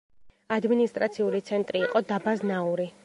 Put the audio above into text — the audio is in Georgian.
ადმინისტრაციული ცენტრი იყო დაბა ზნაური.